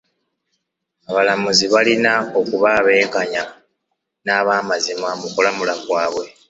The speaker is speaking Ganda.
Abalamuzi balina okuba abenkanya n'abamazima mu kulamula kwabwe.